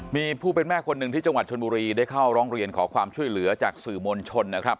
มีผู้เป็นแม่คนหนึ่งที่จังหวัดชนบุรีได้เข้าร้องเรียนขอความช่วยเหลือจากสื่อมวลชนนะครับ